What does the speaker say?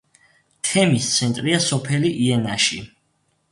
თემის ცენტრია სოფელი იენაში.